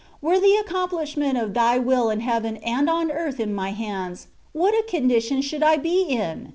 Were the accomplishment of Thy will in heaven and on earth in my hands, what a condition should I be in